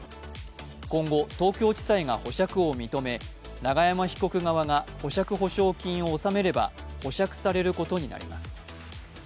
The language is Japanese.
今後、東京地裁が保釈を認め永山被告側が保釈保証金を納めれば保釈されることになります。